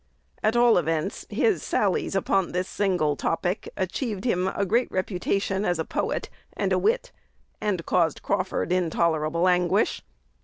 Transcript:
At all events, his sallies upon this single topic achieved him great reputation as a "poet" and a wit, and caused Crawford intolerable anguish.